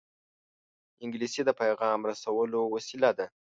انګلیسي د پېغام رسولو وسیله ده